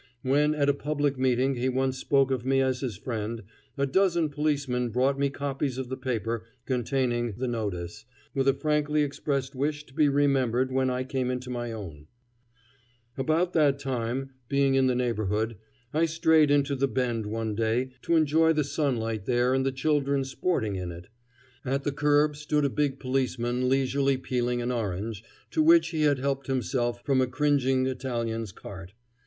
When at a public meeting he once spoke of me as his friend, a dozen policemen brought me copies of the paper containing "the notice," with a frankly expressed wish to be remembered when I came into my own, About that time, being in the neighborhood, I strayed into the Bend one day to enjoy the sunlight there and the children sporting in it. At the curb stood a big policeman leisurely peeling an orange, to which he had helped himself from a cringing Italian's cart.